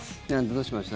どうしました？